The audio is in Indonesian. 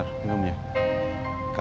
kita enggak diselesai